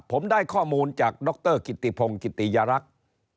ผมได้ข้อมูลจากดรกิติพงศ์กิติยรักษ์